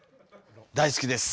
大好きです。